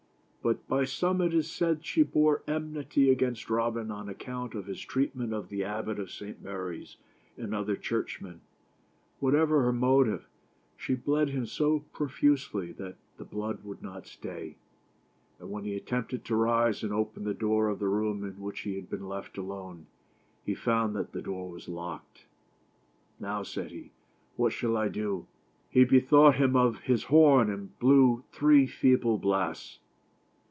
By some it is said that she bore enmity against Robin on account of his treatment of the Abbot of St. Mary's and other church men. Whatever her motive, she bled him so profusely that the blood would not stay ; and when he attempted to rise, and 224 TIIE STORY OF ROBIN HOOD. open the door of the room in which he had been left alone, he found that the door was locked. " Now" said he, "what shall I do?" lie bethought him of his horn, and blew three feeble blasts.